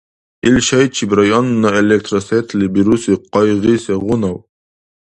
Ил шайчиб районна электросетли бируси къайгъи сегъунав?